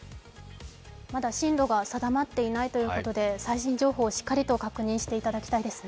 まだ進路が定まっていないということで最新情報、しっかりと確認していただきたいですね。